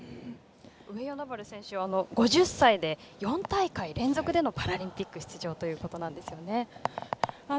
上与那原選手は５０歳で４大会連続でのパラリンピック出場ということですね。